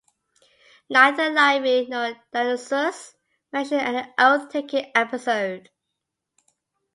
Neither Livy nor Dionysius mention any oath taking episode.